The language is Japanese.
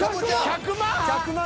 １００万！？